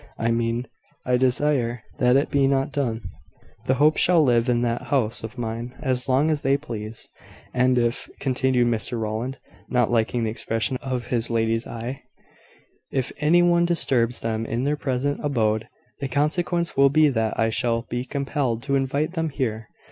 I mean, I desire that it be not done. The Hopes shall live in that house of mine as long as they please. And if," continued Mr Rowland, not liking the expression of his lady's eye, "if any one disturbs them in their present abode the consequence will be that I shall be compelled to invite them here.